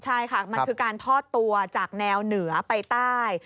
ใช่ค่ะมันคือการทอดตัวจากแนวเหนือไปใต้